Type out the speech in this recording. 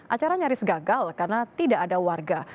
acara nyaris gagal karena tidak ada warga